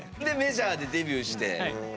でメジャーでデビューして。